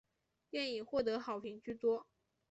电影获得好评居多。